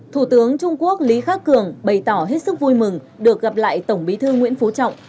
thủ tướng trung quốc lý khắc cường bày tỏ hết sức vui mừng được gặp lại tổng bí thư nguyễn phú trọng